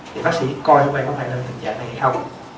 thì bác sĩ coi hôm nay có phải lên tình trạng này hay không